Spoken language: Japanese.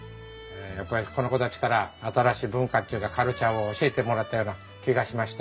やっぱりこの子たちから新しい文化っちゅうかカルチャーを教えてもらったような気がしました。